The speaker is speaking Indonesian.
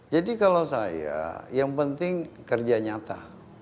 jadi kalau saya yang penting kerja nyata